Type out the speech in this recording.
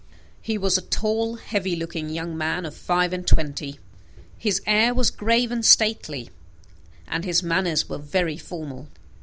He was a tall, heavy looking young man of five and twenty. His air was grave and stately, and his manners were very formal.